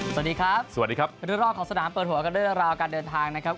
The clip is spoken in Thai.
สวัสดีครับสวัสดีครับรุ่นรอบของสนามเปิดหัวกันเรื่องราวการเดินทางนะครับ